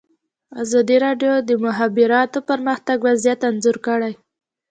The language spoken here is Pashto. ازادي راډیو د د مخابراتو پرمختګ وضعیت انځور کړی.